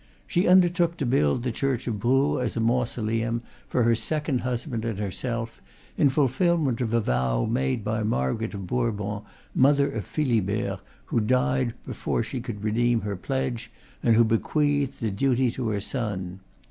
She undertook to build the church of Brou as a mau soleum, for her second husband and herself, in fulfil ment of a vow made by Margaret of Bourbon, mother of Philibert, who died before she could redeem her pledge, and who bequeathed the duty to her son.